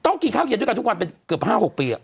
ต้องกินข้าวเย็นด้วยกันทุกวันเป็นเกือบห้าหกปีอะ